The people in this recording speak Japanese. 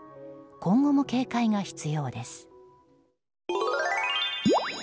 今後も警戒が必要です。